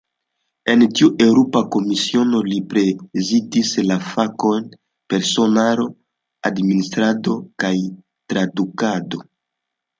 En tiu Eŭropa Komisiono, li prezidis la fakojn "personaro, administrado kaj tradukado".